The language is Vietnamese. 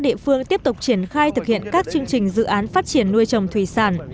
địa phương tiếp tục triển khai thực hiện các chương trình dự án phát triển nuôi trồng thủy sản